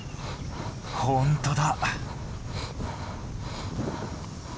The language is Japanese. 本当だ。